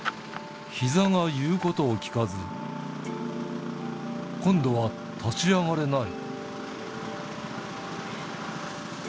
ひざが言うことを聞かず、今度は立ち上がれない。